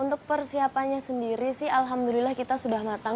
untuk persiapannya sendiri sih alhamdulillah kita sudah matang